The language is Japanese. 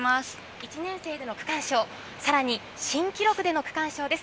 １年生での区間賞、さらに新記録での区間賞です。